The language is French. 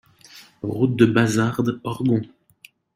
Route de Bazarde, Orgon